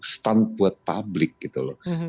stun buat publik gitu loh